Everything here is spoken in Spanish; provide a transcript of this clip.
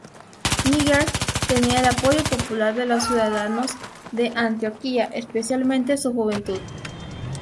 Níger tenía el apoyo popular de los ciudadanos de Antioquía, especialmente su juventud.